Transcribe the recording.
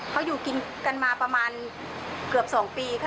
เขาอยู่กินกันมาประมาณเกือบ๒ปีค่ะ